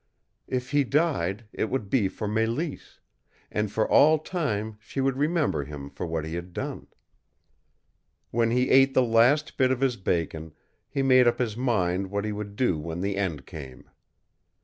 If he died, it would be for Mélisse, and for all time she would remember him for what he had done. When he ate the last bit of his bacon, he made up his mind what he would do when the end came.